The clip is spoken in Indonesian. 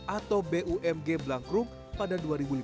atau bumg blank room pada dua ribu lima belas